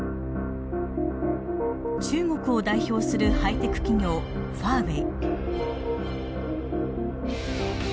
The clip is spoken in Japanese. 中国を代表するハイテク企業ファーウェイ。